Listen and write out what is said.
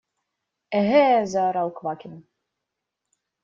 – Эге! – заорал Квакин.